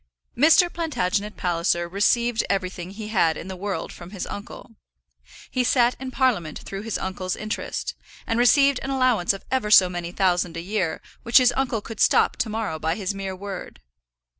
Mr. Plantagenet Palliser received everything he had in the world from his uncle. He sat in Parliament through his uncle's interest, and received an allowance of ever so many thousand a year which his uncle could stop to morrow by his mere word.